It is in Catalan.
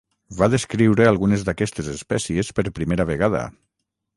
Va descriure algunes d'aquestes espècies per primera vegada.